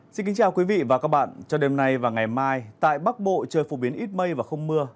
xin kính chào quý vị và các bạn cho đêm nay và ngày mai tại bắc bộ trời phổ biến ít mây và không mưa